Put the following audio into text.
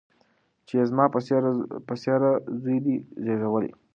چي یې زما په څېره زوی دی زېږولی